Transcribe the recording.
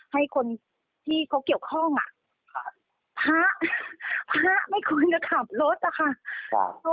ให้คนที่เขาเกี่ยวข้องภาพไม่ควรจะขับรถละค่ะ